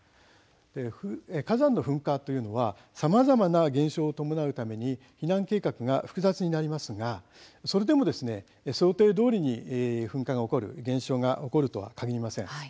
火山の噴火というのはさまざまな現象を伴うために避難計画が複雑になりますがそれでも想定どおりの噴火現象が起こるとはかぎりません。